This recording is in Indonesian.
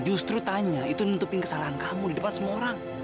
justru tanya itu nutupin kesalahan kamu di depan semua orang